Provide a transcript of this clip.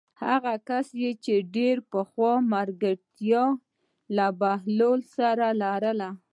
هغه کس چې ډېره پخوانۍ ملګرتیا یې له بهلول سره لرله.